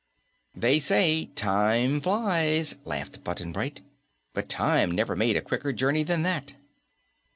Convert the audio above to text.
"They say 'Time flies,'" laughed Button Bright, "but Time never made a quicker journey than that."